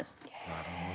なるほど。